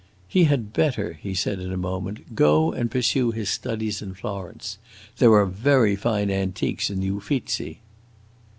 "He had better," he said in a moment, "go and pursue his studies in Florence. There are very fine antiques in the Uffizi!"